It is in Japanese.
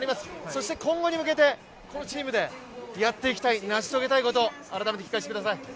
そして今後に向けて、このチームでやっていきたい、成し遂げたいこと、改めて聞かせてください。